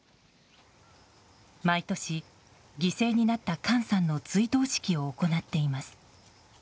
毎年、犠牲になったカンさんの追悼式を行っています。